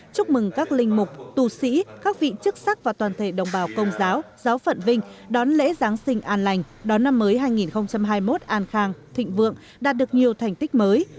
chúc mừng các linh mục tù sĩ các vị chức sắc và toàn thể đồng bào công giáo giáo phận vinh đón lễ giáng sinh an lành đón năm mới hai nghìn hai mươi một an khang thịnh vượng đạt được nhiều thành tích mới